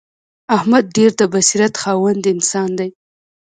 احمد ډېر د بصیرت خاوند انسان دی.